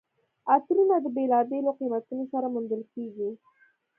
عطرونه د بېلابېلو قیمتونو سره موندل کیږي.